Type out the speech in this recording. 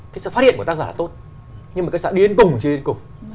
cái phát hiện của tác giả là tốt nhưng mà cái xã điên củng thì điên củng